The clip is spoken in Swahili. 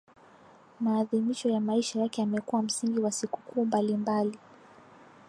Maadhimisho na Maisha yake yamekuwa msingi wa sikukuu mbalimbali